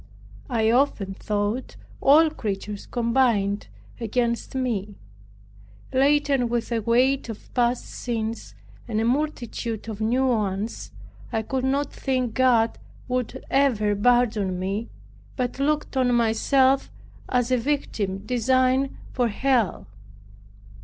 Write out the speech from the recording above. I often thought all creatures combined against me. Laden with a weight of past sins, and a multitude of new ones, I could not think God would ever pardon me, but looked on myself as a victim designed for Hell.